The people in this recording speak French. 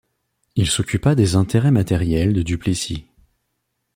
Il s’occupa des intérêts matériels de Duplessis.